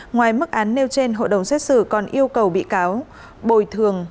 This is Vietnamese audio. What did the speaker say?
ngoài mức án nêu trên hội đồng xét xử còn yêu cầu bị cáo bồi thường